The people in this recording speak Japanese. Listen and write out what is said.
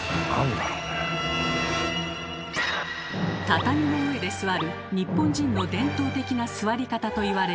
畳の上で座る日本人の伝統的な座り方と言われる「正座」。